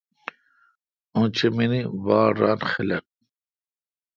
اوں چمینی باڑران خلق۔